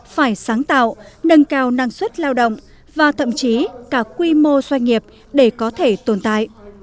phải sáng tạo nâng cao năng suất lao động và thậm chí cả quy mô doanh nghiệp để có thể tồn tại